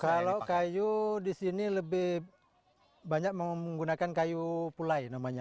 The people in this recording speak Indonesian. kalau kayu di sini lebih banyak menggunakan kayu pulai namanya